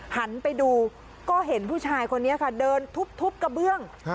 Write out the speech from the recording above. หันไปดูก็เห็นผู้ชายคนนี้ค่ะเดินทุบกระเบื้อง